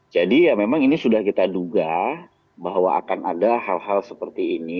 jadi memang ini sudah kita duga bahwa akan ada hal hal seperti ini